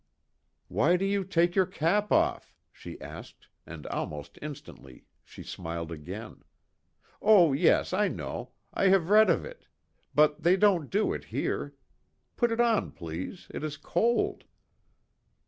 "Why do you take your cap off?" she asked, and almost instantly she smiled again: "Oh, yes, I know I have read of it but, they don't do it here. Put it on please. It is cold."